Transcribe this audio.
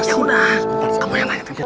ya udah kamu yang tanya